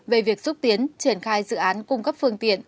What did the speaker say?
về việc xúc tiến triển khai dự án cung cấp phương tiện